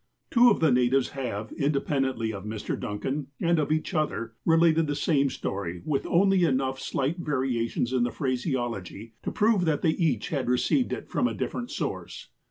Two of the natives have, independently of Mr. Duncan, and of each other, related the same story, with only enough slight variations in the phraseology to prove that they each had received it from a different source.